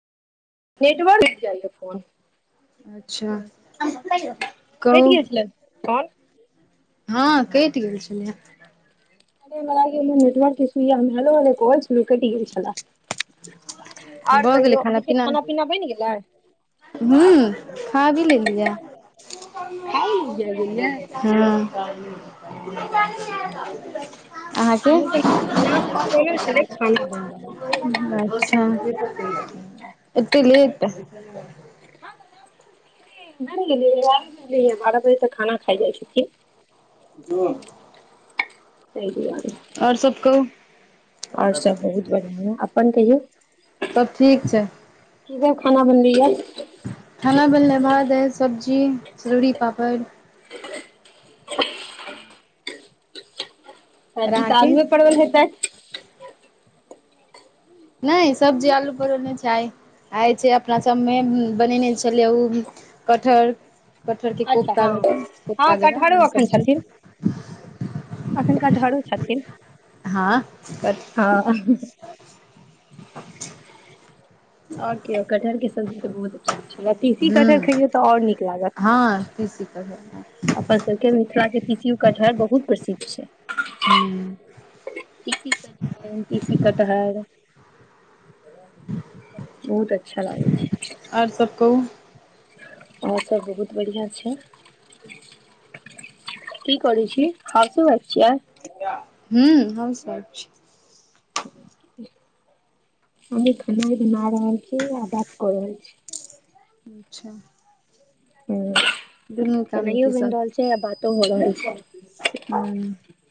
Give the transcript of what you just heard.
Network चाहिए phone अच्छा कहु कौन हँ, कट गेल छैने हा हमर आग या नेटवक सु हलो बहुत कहल कट गेल छल और भऽ गेलै कहियो अहाँके खाना पीना बनि गेलै हू खा भी लेलियै। खाउ लेल जाय गेलियै हँ। अहाँके हमर तऽ नास्ता बनल छलै खाना बनि रहल अच्छा छै एतेक लेट बारह बजे तक खाना खााय जाइ छथिन ह। तोयदुआरे आओर सब कहु आओर सब बहुत बढ़ियां या अपन कहियौ सब ठीक छै। की सब खाना बनली य खाना बनले भात दाल सब्जी सरौड़ी पापड़ आओर सबजी त अहाँके आलुए पड़वल होेतै नहि सब्जी आलू परोल नहि छैय। आइ छै, अपना सभमे बनेने छलियै ओ कटहर कठहर के अच्छा कोख्त हँ धक कोख्ता जगह एखनकटहलो झथिन छथिन हँ। हँ आ के कटहरके सब्जी तऽ बहुत अच्छा होइ छै, तीसी कटहर खइयौ तऽ आओर नीक लागत तिसी कटहल अपन सबके मिथिला के तीसीयो कटहर बहुत प्रसिद्ध छै। हूँ हम्म तीसी कटहर बहुत अच्छा लागै छै। आर सब कहू और सब बहुत बढ़िया छै? की कर छी हसू भच छीय आ हू हम स छै। हमी खनाय बना रहल छी, आ बात क रहल छी अच्छा। ह दुनू काम मे खेनाइयो की बनि रहल छै, आ बातो हो रहल छै हँ।